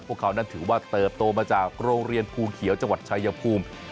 พวกเขานั้นถือว่าเติบโตมาจากโรงเรียนภูเขียวจังหวัดชายภูมิ